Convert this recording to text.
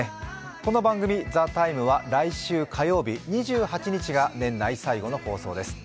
この番組「ＴＨＥＴＩＭＥ，」は来週火曜日２８日が年内最後の放送です。